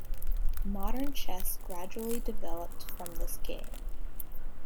Modern chess gradually developed from this game.